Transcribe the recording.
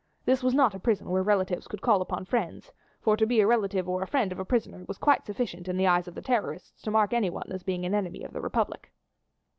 This was not a prison where relatives could call upon friends, for to be a relative or friend of a prisoner was quite sufficient in the eyes of the terrorists to mark anyone as being an enemy of the republic.